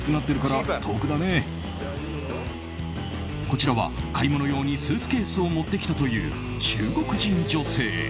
こちらは、買い物用にスーツケースを持ってきたという中国人女性。